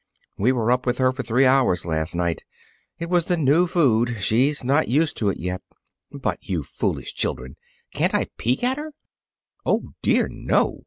We were up with her for three hours last night. It was the new food. She's not used to it yet." "But, you foolish children, can't I peek at her?" "Oh, dear, no!"